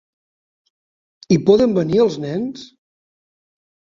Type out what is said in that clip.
Hi poden venir els nens?